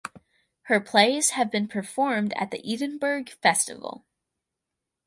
Her plays have been performed at the Edinburgh Festival.